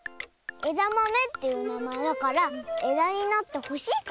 えだまめっていうなまえだからえだになってほしいから？